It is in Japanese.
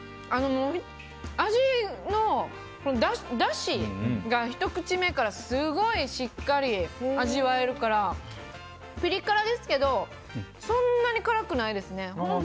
味のだしが、ひと口目からすごいしっかり味わえるからピリ辛ですけどそんなに辛くないですね。